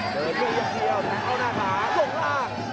เดินลิ่นอย่างเดียวเอาหน้าขาลงลาก